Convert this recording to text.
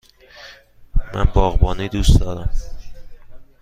من باغبانی دوست دارم.